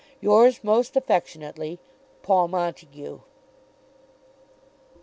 Yours most affectionately, PAUL MONTAGUE.